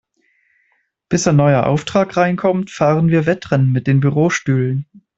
Bis ein neuer Auftrag reinkommt, fahren wir Wettrennen mit den Bürostühlen.